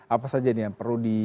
apa saja nih yang perlu di